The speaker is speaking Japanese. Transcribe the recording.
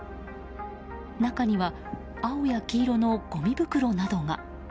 中には、青や黄色のごみ袋などが。